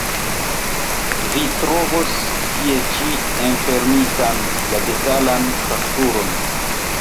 Vi trovos tie ĉi enfermitan la detalan fakturon.